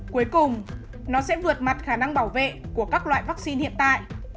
cuối cùng nó sẽ vượt mặt khả năng bảo vệ của các loại vaccine hiện tại